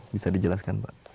bisa dijelaskan pak